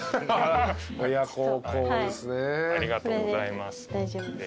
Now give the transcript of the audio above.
ありがとうございます。